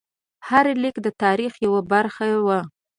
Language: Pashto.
هر لیک د تاریخ یوه برخه وه.